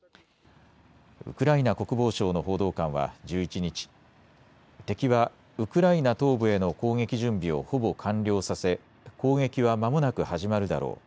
ウクライナ国防省の報道官は１１日、敵はウクライナ東部への攻撃準備をほぼ完了させ攻撃はまもなく始まるだろう。